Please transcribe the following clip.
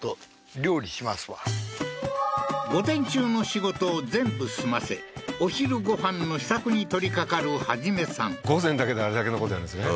午前中の仕事を全部済ませお昼ご飯の支度に取りかかる一さん午前だけであれだけのことやるんですね